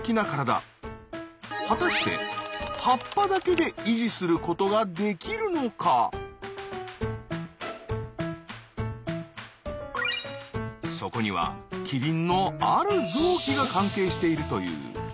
果たしてそこにはキリンのある臓器が関係しているという。